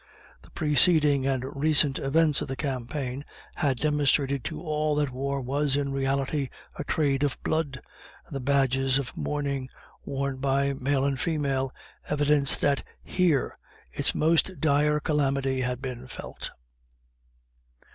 The preceding and recent events of the campaigns had demonstrated to all that war was, in reality, a trade of blood, and the badges of mourning, worn by male and female, evidenced that here its most dire calamity had been felt.